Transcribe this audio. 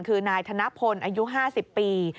คือนายธนพลอายุ๕๐ปี